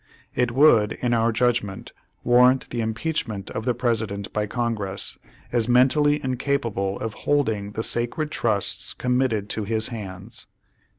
It would, in our judg ment, warrant the impeachment of the President by Con gress as mentally incapable of holding the sacred trusts committed to his hands."